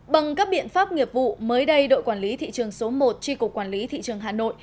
bằng các biện pháp nghiệp vụ mới đây đội quản lý thị trường số một tri cục quản lý thị trường hà nội